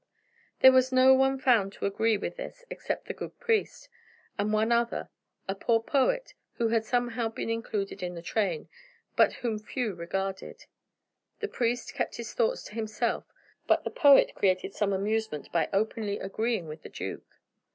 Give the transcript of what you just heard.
There was no one found to agree with this except the good priest, and one other, a poor poet who had somehow been included in the train, but whom few regarded. The priest kept his thoughts to himself, but the poet created some amusement by openly agreeing with the duke.